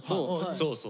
そうそう。